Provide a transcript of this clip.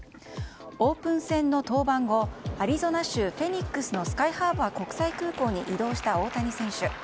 オープン戦の登板後アリゾナ州フェニックスのスカイハーバー国際空港に移動した大谷選手。